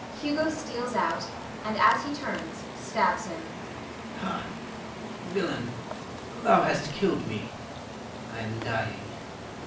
[Hugo steals out, and as he turns, stabs him.] Ha, villain, thou hast killed me! I am dying!